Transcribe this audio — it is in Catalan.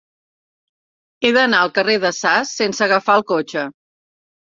He d'anar al carrer de Sas sense agafar el cotxe.